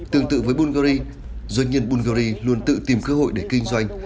tương tự với bulgari doanh nhân bungary luôn tự tìm cơ hội để kinh doanh